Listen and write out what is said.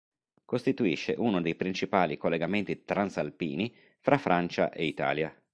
Costituisce uno dei principali collegamenti transalpini fra Francia e Italia.